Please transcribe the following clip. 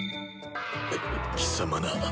う貴様な。